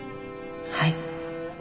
はい